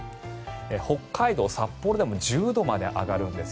北海道札幌でも１０度まで上がるんです。